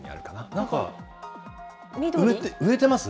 なんか、植えてます？